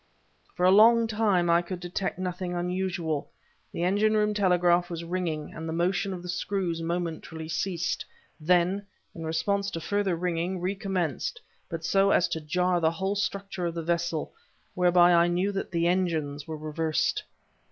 For a long time I could detect nothing unusual. The engine room telegraph was ringing and the motion of the screws momentarily ceased; then, in response to further ringing, recommenced, but so as to jar the whole structure of the vessel; whereby I knew that the engines were reversed.